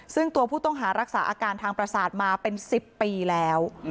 ซึ่งตัวผู้ต้องหารักษาอาการทางประสาทมาเป็น๑๐ปีแล้ว